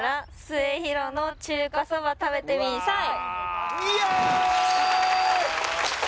「スエヒロの中華そば食べてみんさい！」